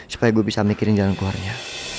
supaya gue bisa mikirin jalan keluarnya